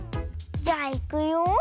じゃあいくよ。